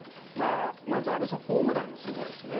まず安部さんホームラン、すごいですね。